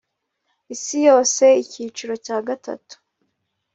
Isi yose icyicirocya gatatu